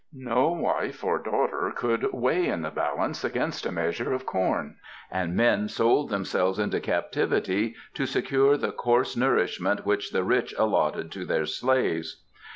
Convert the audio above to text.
No wife or daughter could weigh in the balance against a measure of corn, and men sold themselves into captivity to secure the coarse nourishment which the rich allotted to their slaves.